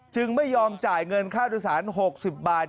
ไม่ยอมจ่ายเงินค่าโดยสาร๖๐บาท